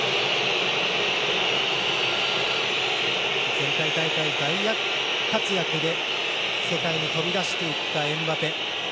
前回大会大活躍で世界に飛び出していったエムバペ。